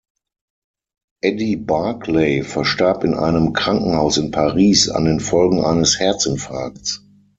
Eddie Barclay verstarb in einem Krankenhaus in Paris an den Folgen eines Herzinfarkts.